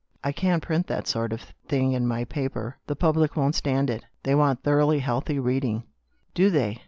I can't put that sort of thing in my paper. The public won't stand it, my dear girl. They want thoroughly healthy reading." " Do they